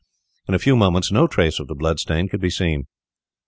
In a few moments no trace of the blood stain could be seen.